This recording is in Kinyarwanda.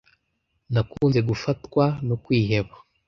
Nakunze gufatwa no kwiheba.